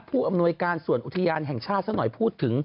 อำนวยการส่วนอุทยานแห่งชาติซะหน่อยพูดถึง